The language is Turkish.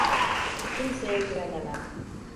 Kimseye güvenemem.